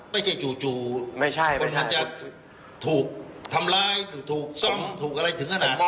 ไม่ใช่จู่คนมันจะถูกทำร้ายถูกซ่อมถูกอะไรถึงขนาด